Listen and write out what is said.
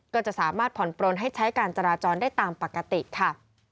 ก็จะสามารถผ่อนปลนให้ใช้การจราจรได้ตามปกติค่ะ